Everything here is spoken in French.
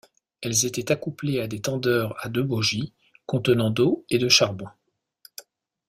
Elles étaient accouplées à des tenders à deux bogies contenant d'eau et de charbon.